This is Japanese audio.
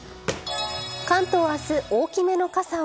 関東明日、大きめの傘を。